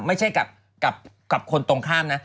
ไม่ใช่กับคนตรงข้ามนะ